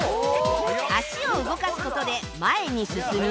足を動かす事で前に進み